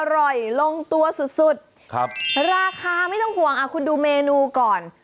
อร่อยลงตัวสุดราคาไม่ต้องห่วงคุณดูเมนูก่อน